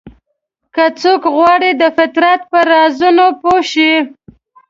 که څوک غواړي د فطرت په رازونو پوه شي.